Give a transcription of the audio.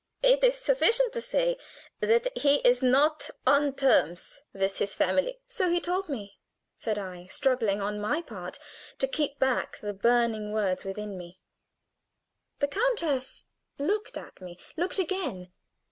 It is sufficient to say that he is not on terms with his family." "So he told me," said I, struggling on my own part to keep back the burning words within me. The countess looked at me looked again.